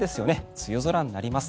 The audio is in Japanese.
梅雨空になります。